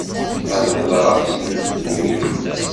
Ad d-hedreɣ s lemtul.